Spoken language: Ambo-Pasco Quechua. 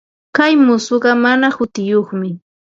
Kay muusuqa mana hutiyuqmi.